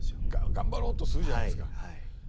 頑張ろうとするじゃないですか。